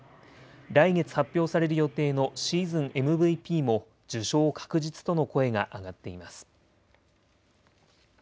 来月発表される予定のシーズンＭＶＰも受賞確実との声が上がっています。